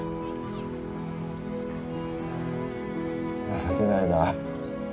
情けないな